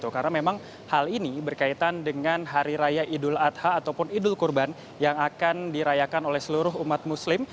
karena memang hal ini berkaitan dengan hari raya idul adha ataupun idul kurban yang akan dirayakan oleh seluruh umat muslim